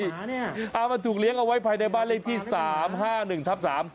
ใช่มันถูกเลี้ยงเอาไว้ภายในบ้านเลขที่๓๕๑ทับ๓